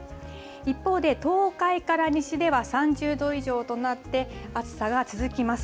一方で東海から西では３０度以上となって、暑さが続きます。